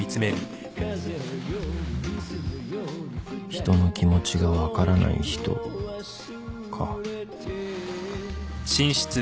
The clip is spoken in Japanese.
人の気持ちが分からない人か